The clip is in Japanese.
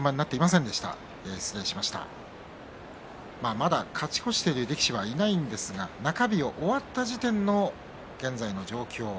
まだ勝ち越している力士はいませんが中日を終わった時点の現在の状況です。